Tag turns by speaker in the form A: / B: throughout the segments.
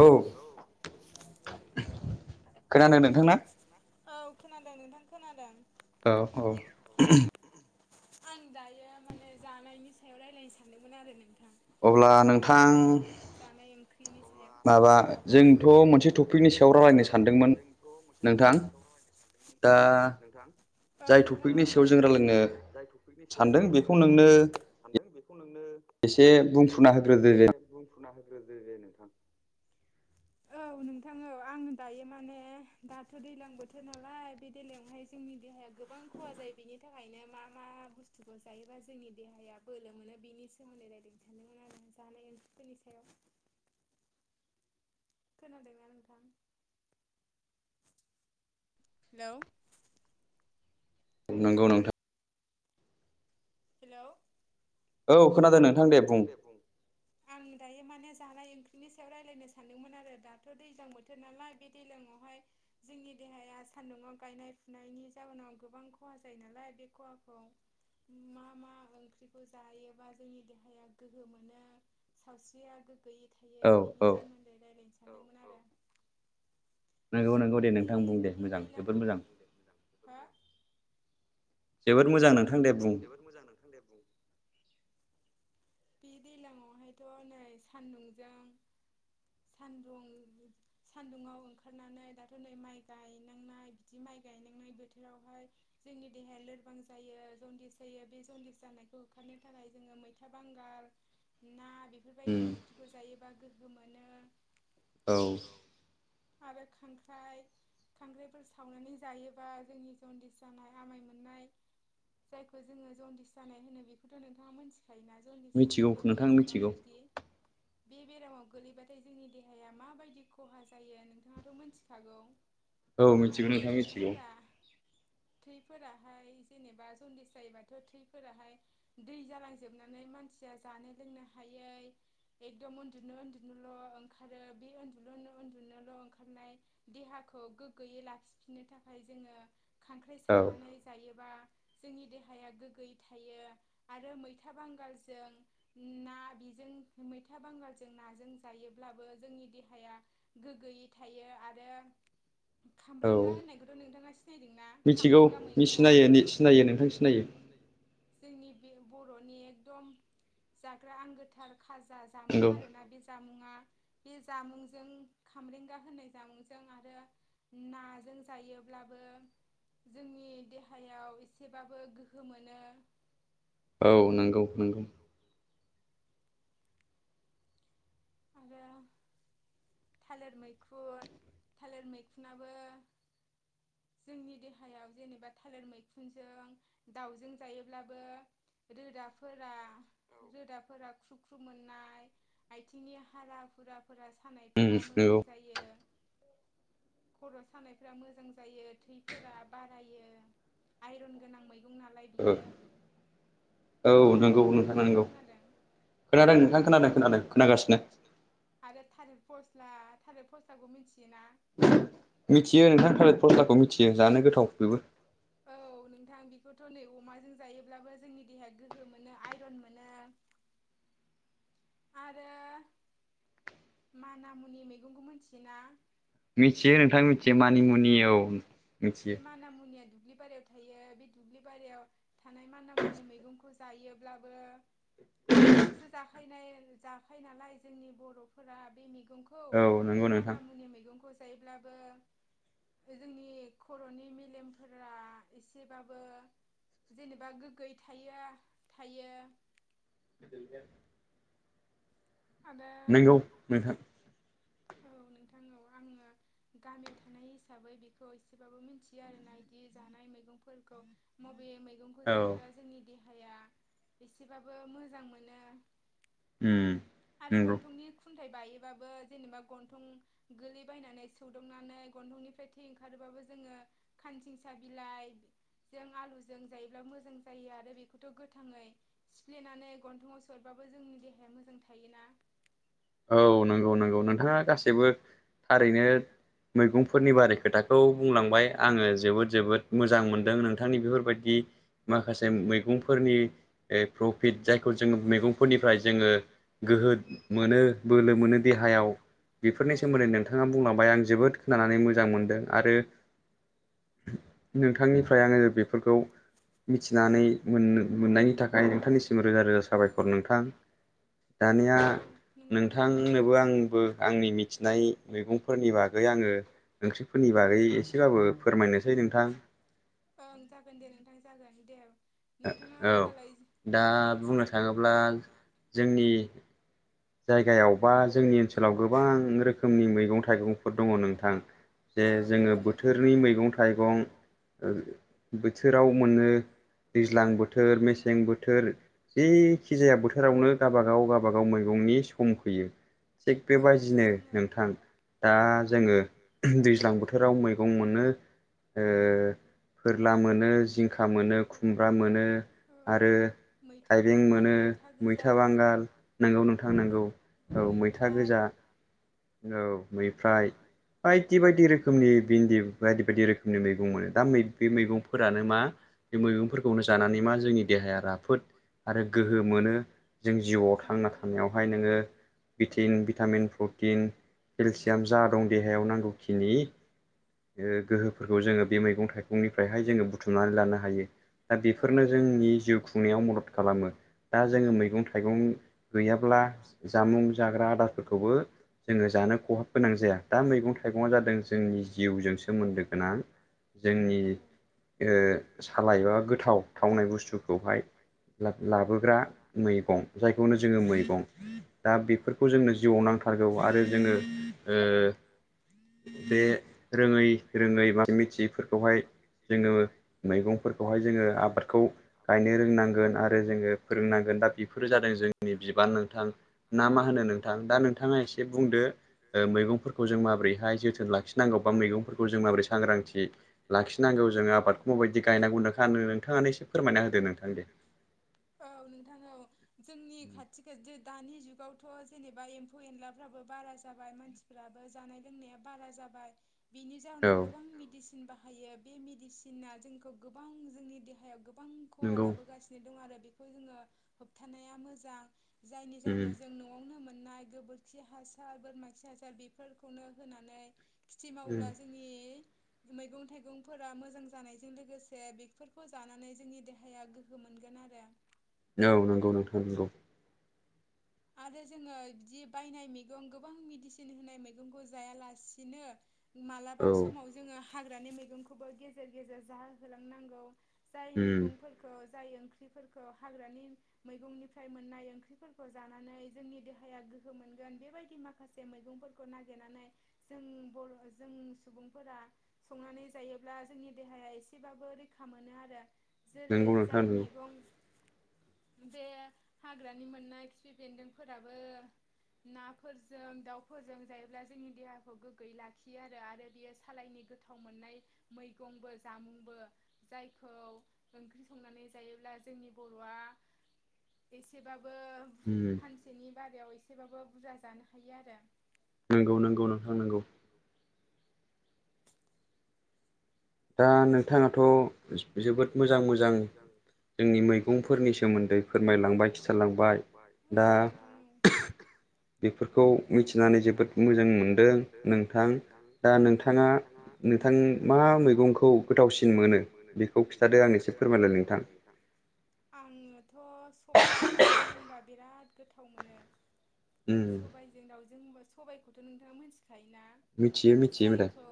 A: औ खोनादों नोंथांना
B: औ खोनादों नोंथां खोनादों
A: औ औ
B: आं दायो माने जानायनि सायाव रायज्लायनो सानदोंमोन आरो नोंथां
A: अब्ला नोंथां
B: जानाय ओंख्रिनि
A: माबा जोंथ' मोनसे त
B: माबा जोंथ' मोनसे टपिकनि सायावलाायनो सानदोंमोन नोंथां
A: टपिकनि सायाव जों रायलायनो सानदों बेखौ नोंनो
B: सानदों बेखौ नोंनो एसे बुंफुना हो होदो दे नोंथां औ नोंथा औ आङो दायो माने दाथ' दैज्लां बोथोर नालाय बे दैज्लांआवहाय जोंनि देहाया गोबां खहा जायो। बिनि थाखायनो मा मा बुस्थुखौ जायोबा जोंनि देहाया बोलो मोनो बिनि सोमोन्दै रायलायगोन आरो जानाय ओंख्रिफोरनि सायाव खोनादोंङा नोंथां हेल' हेलौ
A: औ खोनादों नोंथां दे बुं
B: दायो माने जानाय ओंख्रिनि सायाव रायज्लायनो सानदोंमोन आरो दाथ' दैज्लां बोथोर नालाय बे दैज्लांआवहाय जोंनि देहाया सान्दुंआव गायनाय फुनायनि जाउोनाव गोबां खहा जायो नालाय बे खहाखौ [unintelligible] मा मा ओंख्रिखौ जायोबा जोंनि देहाया गोहो मोनो सावस्रिया गैयै थायो बिनि सोमोन्दै रायज्लायनोसै
A: नंगौ नंगौ दे नोंथां बुं दे मोजां जोबोद मोजां जबोद मोजां
B: जोबोद मोजां नोंथां दे बुं बे दैजलांआवहायथ' नै सान्दुंजों सान्दुं सान्दुुंआव ओंखारनानै दाथ' नै माइ गायनांनाय बिदि माइ गनाय बोथोरावहाय जोंनि देह लोरबां जायो। जन्दिस होयो बे जन्दिस जानायखौ होखारनो थाखाय जोङो मैथा बांगाल ना बेफोरबायदि दै ओंख्रिखौ जायोबा गोहो मोनो
A: औ
B: आरो खांख्राइ खांख्राइफोर सावनानै जायोबा जोंनि जन्दिस जानाय आमाय मोननाय जायखौ जोङो जन्दिस जानाय होनो बेखौथ' नोंथाङा मिथि योना जन्दिस बेराम होनबा माबायदि बे बेरामाव गोगलैबाथाय जोंनि देहाया माबायदि खहा जायो नोंथाङाथ' मिथिखागौ
A: औ मिथिगौ नोंथाङ मिथिगौ
B: थैफोराहाय जेनेबा जन्दिेस जायोबाथ' थैफोराहाय दै जालांजोबनानै मानसिया जानो लोंनो हायै एकदम उन्दुनो उन्दुनोल' ओंखारो बे उन्दु उन्दुनोल' ओंखारनाय देहाखौ गोग्गोयै लाखिफिननो थाखाय जोङो खांख्राइ सावनानै जायोबा जोंनि देहाया गोग्गोयै थायो आरो मैथा बांगालजों ना बेजों मैथा बांगालजों नाजों जायोब्लाबो जोंनि देहाया गोग्गोयै थायो आरो खामब्रेंगा होननायखौथ' नोंथाङा सि
A: मिथिगौ मि सिनायो सिनायो नोंथां सिनायो।
B: जोंनि बे बर'नि एकदम जाग्रा आंगोथार खाजा जामुं आरोना बे जामुंआ। बे जामुंजों खामरेंगा होननाय जामुंजों आरो नाजों जायोब्लाबो जोंनि देहायाव एसेबाबो गोहो मोनो।
A: औ नंगौ नंगौ।
B: आरो थालिर मैखुन थालिर मैखुनाबो जोंनि देहायाव जेनेबा थालिर मैखुनजों दाउजों जायोब्लाबो रोदाफोरा रोदाफोरा ख्रुबख्रुब मोननाय आथिं नि हारा हुराफोरा सानायफोरा मोजां जायो। खर' सानायफोरा मोजां जायो थैफोरा बारायो आइरन गोनां मैगं गं नालाय बियो।
A: औ नोंगौ नोंथां नोंगौ खोनादों नोंथां खोनादों खोनादों खोनागासिनो।
B: आरो थालिर फस्ला थालिर फस्लाखौ मिथियोना? मिथियो नोंथां थालिर फस्लाखौ मिथियो जानो गोथाव औ नोंथां बिखौ थ' नै अमाजों जायोब्लाबो जोंनि देहाया गोहो मोनो आइरन मोनो। आरो माना मुनि मैगंखौ मिथियोना?
A: मिथियो नोंथां मिथियो मानिमुनि औ मिथियो।
B: दुब्लि बारियाव थायो बे दुब्लि बारियाव थानाय माना मुनि मैगंखौ जायोब्लाबो आलुजोंसो जाखायो जाखायो नालाय जोंनि बर'फोरा बे मैगं गंखौ बे माना मुनि मैगंखौ जायोब्लाबो जोंनि खर'नि मेलेमफोरा एसेबाबो जेनेबा गोग्गोयै थायो थायो।
A: [unintelligible]
B: आरो नंगौ औ नोंथां औ आङो गामियाव थानाय हिसाबै बेखौ एसेबाबो मिथियो आरोना बिदि जानाय मैगंफोरखौ म' बबे मैगंखौ जायोब्ला जोंनि देहाया एसेबाबो मोजां मोनो।
A: उम
B: आरो गन्थंनि खुन थाइ बायोबाबो जेनोबा गन्थं गोलैबायनानै सौदावनानै गन्थंनिफ्राय थै ओंखारोबाबो जोङो खानसिंसा बिलाइ जों आलुजों जायोब्ला मोजां जायो आरो बेखौथ' गोथाङै सिफ्लेनानै गन्थङाव सोह'रबा बाबो जोंनि देहाया मोजां थायोना।
A: औ नंगौ नोंगौ नोंथाङा गासैबो थारैनो मैगंफोरनि बारै खोथाखौ बुंलांबाय आङो जोबोद जोबोद मोजां मोनदों नोंथांनि बेफोरबायदि माखासे मैगंफोरनि प्रफिट जायखौ जोङो मैगंफोरनिफ्राय जोङो गोहो बोलो मोनो देहायाव बेफोरनि सोमोन्दै नोंथाङा बुंलांबाय आं जोबोद खोनानानै मोजां मोनदों आरो नोंथांनिफ्राय आङो बेफोरखौ मिथिनानै मोननो मोननायनि थाखाय नोंथांनिसिम रोजा रोजा साबायखर नोंथां।
B: औ नोंथां
A: नोंथांनोबो आंबो आंनि मिथिनाय मैगंफोरनि बागै आङो ओंख्रिफोरनि बागै गै एसेबाबो फोरमायनोसै नोंथां।
B: ओं जागोन दे नोंथां जागोन दे।
A: ओ औ दा बुंनो थाङोब्ला जोंनि जायगायाव बा जोंनि ओनसोलाव गोबां रोखोमनि मैगं थाइगंफोर दङ नोंथां जे जे जोङो बोथोरनि मैगं थाइगं ओ बोथोराव मोनो। दैज्लां बोथोर मेसें बोथोर जेखि जाया बोथोरावनो गाबागाव गाबागाव मैगंनि सम फैयो। थिग बेबायजिनो नोंथां। दा जोङो दैज्लां बोथोराव मैगं मोनो ओ फोरला मोनो जिंखा मोनो खुमब्रा मोनो आरो थाइबें मोनो। ओ मैथा बांगाल नोंगौ नोंथां नों औ मैथा गोजा औ मैफ्राय बायदि बायदि रोखोमनि भिन्दि बायदि बायदि रोखोमनि मैगं मोनो। दा मै बे मैगंफोरानो मा बे मैगंफोरखौनो जानानै मा जोंनि देहाया राफोद आरो गोहो मोनो जों जिउआव थांना थानायावहाय नोङो भिटिन भिटामिन प्रटिन केलसियाम जा दं देहायाव नांगौखिनि ओ गोहोफोरखौ जोङो बे मैगं थाइगंनिफ्रायहाय जोङो बुथुमनानै लानो हायो। दा बेफोरनो जों जोंनि जिउ खुंनायाव मदद खालामो। दा जोङो मैगं थाइगं गैयाब्ला। जामुं जाग्रा आदारफोरखौबो जोङो जानो खहाब गोनां जाया। दा मैगं थाइगङा जादों जोंनि जिउजों सोमोन्दो गोनां जोंनि ओ सालायबा गोथाव थावनाय बुस्थुखौहाय लाब-लाबोग्रा मैगं जायखौ होनो जोङो मैगं। दा बेफोरखौ जोंनो जिउआव नांथारगौ आरो जोङो ओ बे रोङै रोङै बा मिथियैफोरखौहाय जोङो मैगंफोरखौहाय जोङो आबादखौ गायनो रोंनांगोन आरो जोङो फोरोंनांगोन। दा बेफोरो जादों जोंनि बिबान नों थां ना मा होनो नोंथां? दा नोंथाङा एसे बुंदो? ओ मैगंफोरखौ जों माब्रैहाय जोथोन लाखिनांगौ। मैगंफोरखौ जों माबोरै सांग्रांथि लाखिनांगौ जोङो आबादखौ माबायदि गायनांगौ नोंहा नों-नोंथाङा नो एसे फोरमायना होदो नोंथां दे।
B: औ नोंथां औ जोंनि खाथि नि दानि जुगावथ' जेनेबा एम्फौ एनलाफ्राबो बारा जाबाय मानसिफ्राबो जानाय लोंनाया बारा जाबाय। बेनि जाहोनाव गोबां मेडिसिन बाहायो। बे मेडिसिना जोंखौ गोबां जोंनि देहायाव गोब बां खहा लाबोगासिनो दं आरो। बेखौ जोङो होबथानाया मोजां। जायनि जाउनाव जों न'आवनो मोन नाय गोबोरखि हासार बोरमा खि हासार बेफोरखौनो होनानै खेथि मावोब्ला जोंनि मैगं थाइगंफोरा मोजां जानायजों लोगोसे बेफोरखौ जानानै जोंनि देहाया गोहो मोन गोन आरो।
A: औ नोंगौ नोंथां नोंगौ।
B: आरो जोङो बिदि बायनाय मैगं गोबां मेडिसिन होनाय मैगंखौ जायालासिनो मालाबा समाव जोङो हाग्रानि मैगंखौबो गेजेर गेजेर जाहो होलांनांगौ। जाय मैगंफोरखौ जाय ओंख्रिफोरखौ हाग्रानि मैगंनिफ्राय मोननाय ओंख्रिफोरखौ जानानै जोंनि देहाया गोहो मोनगोन। बेबायदि माखासे मैगंफोरखौ नागिरनानै जों बर' जोंनि सुबुंफोरा संनानै जायोब्ला जोंनि देहाया एसेबाबो रैखा मोनो आरो। जेरै जाय मैगं बे हाग्रानि मोननाय खि फि बेन्दोंफोराबो नाफोरजों दाउफोरजों जायोब्ला जोंनि देहाखौ गोग्गोयै लाखियो आरो। आरो बेयो सालायनि गोथाव मोननाय मैगंबो जामुंबो जायखौ ओंख्रि संनानै जायोब आ जोंनि बर'आ एसेबाब इनि बारायाव इसेबाबो बुरजा जानो हायो आरो
A: नोंगौ नोंगौ नोंथां नोंगौ दा नोंथाङाथ' जोबोद मोजां मोजां जोंनि मैगंफोरनि सोमोन्दै फोरमायलांबाय खिथालांबाय दा बेफोरखौ मिथिनानै जोबोद मोजां मोनदों नोंथां दा नोंथाङा नोंथां मा मैग गंखौ गोथावसिन मोनो बेखौ खिन्थादो आं एसे फोरमायलाय नोंथां
B: थ' सबायजों दाउजों होनबा बिराद गोथाव मोनो सबायजों दाउजों जोंबा सबायखौथ' नोंथाङा मोनथिखायोना जायखौ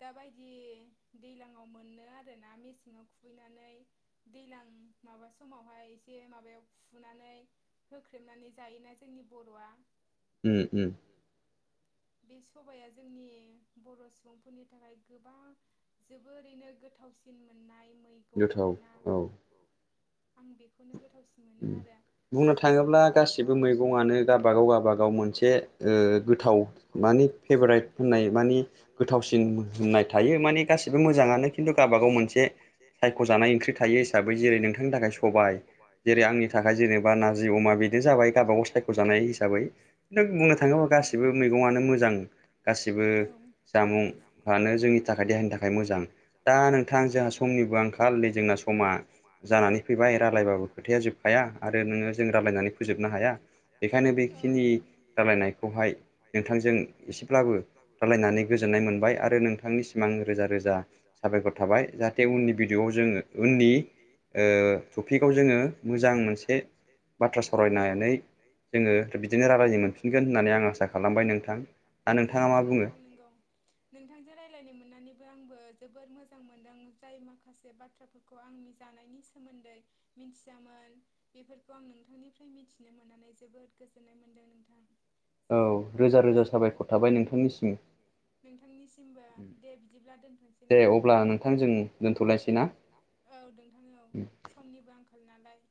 B: दाबायदि दैलाङाव मोननो ना आरोना मेसेङाव खुबैनानै दैलां माबा समावहाय इसे माबायाव खुना नानै होख्रेमनानै जायोना जोंनि बर'आ
A: उम उम
B: बे सबाया जोंनि बर' सुबुंफोरनि थाखाय गोबां जोबोरैनो गोथावसिन मोननाय मैगं आरो ना गोथाव औ आं बेख खौनो गोथावसिन मोनो आरो
A: बुंनो थाङोब्ला गासिबो मैगङानो गाबागाव गाबागाव मोनसे ओह गोथाव मानि फेबराइत बुंनाय मानि गोथावसिन बुंनाय थायो माने गासिबो मोजाङानो खिन्तु गाबा ए सायख'जानाय ओंख्रि थायो हिसाबै जेरै नोंथांनि थाखाय सबाय जेरै आंनि थाखाय जेनेबा नारजि अमा बिदि जाबाय गाबागाव सायख'जानाय हिसाबै नों बुंनो थाङ थाङोबा गासिबो मैगङानो मोजां गासिबो जामुं आनो जोंनि थाखाय देहानि थाखाय आय मोजां दा नोंथां जोंहा समनिबो आंखाल नै जोंना समा जानानै फैबाय रालायबाबो खोथाया जोबखाया आरो नोङो जों रामायनानै फोजोबनो हाया बेखायनो बेखिनि दालायनायखौहाय नोंथांजों एसेब्लाबो दालायनानै गोजोननाय मोनबाय आरो नोंथांनि सिम आं रोजा रोजा साबायखर थाबाय जाहाते उननि भिडियआव जोङो उननि ओ थपिकाव जोङो मोजां मोनसे बाथ्रा सावरायनानै जोङो बिदिनो रादायनो मोन
B: थारायनो मोनसिगोन होननानै आसा खालामबाय नोंथां नोंगौ नोंथां नोंगौ नोंथांजों रायलायनो मोननानै बो आंबो जोबोर मोजां मोनदों जाय माखासे बाथ्राफोरखौ आंनि जानायनि सोमोन्दै मिनथियामोन बेफोरखौ आं नोंथांनिफ्राय मिथिनो मोननानै जोबोद गोजोननाय मोन्दों नोंथां
A: औ गो
B: औ रोजा रोजा साबायखर थाबाय नोंथांनिसिम नोंथांनिसिमबो दे बिदिब्ला दोनथ'नोसै नोंथां दे अब्ला नोंथां जों दोनथलायनोसै ना औ नोंथां औ समनिबो आंखाल नालाय